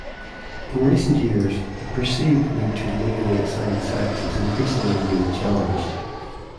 In recent years, the perceived need to legally assign sex is increasingly being challenged.